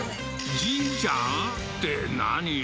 ジンちゃんって何よ？